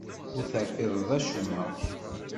Ur terfideḍ acemma.